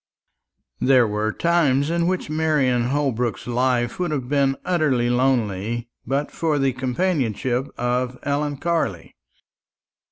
There were times in which Marian Holbrook's life would have been utterly lonely but for the companionship of Ellen Carley.